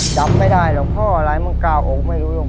จำไม่ได้หรอกพ่ออะไรมึงก้าวออกไม่รู้